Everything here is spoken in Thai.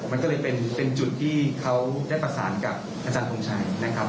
มันก็เลยเป็นจุดที่เขาได้ประสานกับอาจารย์ทงชัยนะครับ